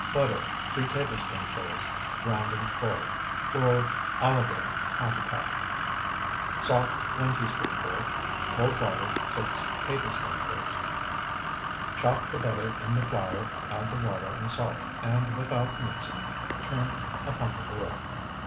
Butter, 3 tablespoonfuls, rounding full, or, Olive oil, ½ cup. Salt, 1 teaspoonful. Cold water, 6 tablespoonfuls. Chop the butter in the flour, add the water and salt, and without mixing turn upon the board.